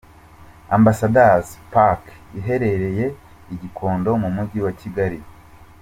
Ambassador's Park iherereye i Gikondo mu mujyi wa Kigali.